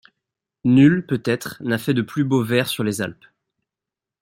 Nul, peut-être, n'a fait de plus beaux vers sur les Alpes.